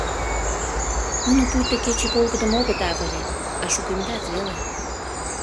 Нуно пуйто кече волгыдым огыт авыре, а шукемдат веле.